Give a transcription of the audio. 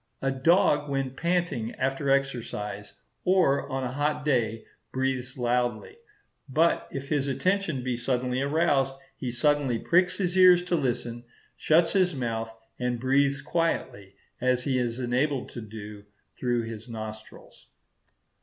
A dog when panting after exercise, or on a hot day, breathes loudly; but if his attention be suddenly aroused, he instantly pricks his ears to listen, shuts his mouth, and breathes quietly, as he is enabled to do, through his nostrils.